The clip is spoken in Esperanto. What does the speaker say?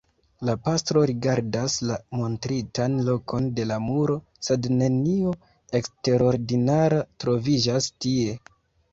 La pastro rigardas la montritan lokon de la muro, sed nenio eksterordinara troviĝas tie.